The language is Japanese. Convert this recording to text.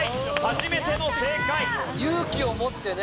勇気を持ってね。